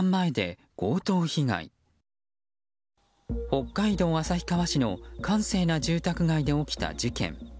北海道旭川市の閑静な住宅街で起きた事件。